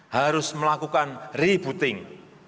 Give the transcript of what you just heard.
harus melakukan rebooting